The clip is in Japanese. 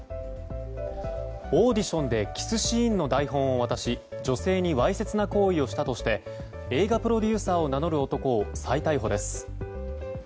オーディションでキスシーンの台本を渡し女性にわいせつな行為をしたとして映画プロデューサーを名乗る男を再逮捕です。